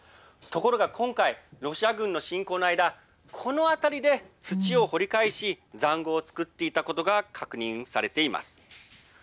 ところが今回ロシア軍の侵攻の間この辺りで土を掘り返しざんごうをつくっていたことが確認されています。